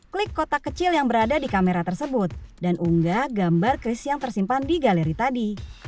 klik kotak kecil yang berada di kamera tersebut dan unggah gambar kris yang tersimpan di galeri tadi